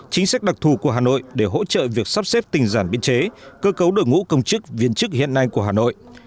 chính sách đặc thù của hà nội để hỗ trợ việc sắp xếp tình giản biên chế cơ cấu đội ngũ công chức viên chức hiện nay của hà nội